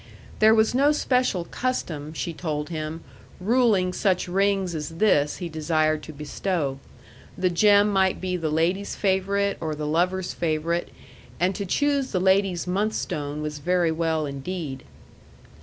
There was no special custom, she told him, ruling such rings as this he desired to bestow. The gem might be the lady's favorite or the lover's favorite; and to choose the lady's month stone was very well indeed.